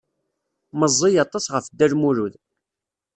Meẓẓiy aṭas ɣef Dda Lmulud.